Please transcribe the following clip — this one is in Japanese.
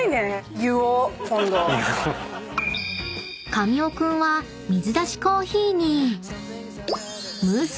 ［神尾君は水出しコーヒーに］